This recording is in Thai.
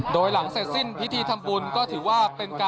โดยหลังเสร็จสิ้นพิธีทำบุญคือเป็น